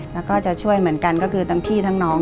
แล้วก็จะช่วยเหมือนกันก็คือทั้งพี่ทั้งน้อง